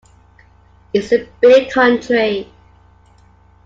It's a big country.